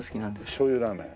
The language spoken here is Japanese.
しょう油ラーメン。